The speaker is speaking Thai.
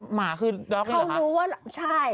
หมาคือด๊อกนี่หรือคะเขารู้ว่าใช่